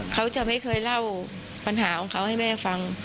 เขาจะไม่เคยเล่าปัญหาของเขาให้แม่ฟัง